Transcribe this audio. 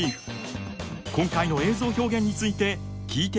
今回の映像表現について聞いてみました。